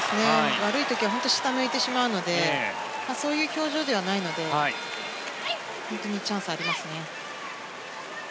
悪い時は本当に下を向いてしまうのでそういう表情ではないので本当にチャンス、ありますね。